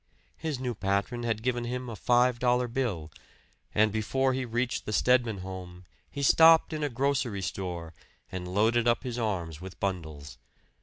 His new patron had given him a five dollar bill; and before he reached the Stedman home he stopped in a grocery store and loaded up his arms with bundles.